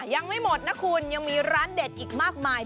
ยังไม่หมดนะคุณยังมีร้านเด็ดอีกมากมาย